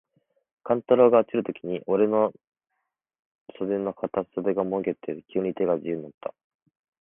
勘太郎が落ちるときに、おれの袷の片袖がもげて、急に手が自由になつた。